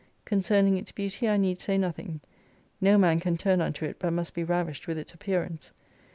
Concerning its beauty I need say nothing. No man can turn unto it, but must be ravished with its appearance.